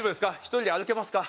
１人で歩けますか？